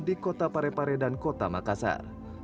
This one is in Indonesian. di kota parepare dan kota makassar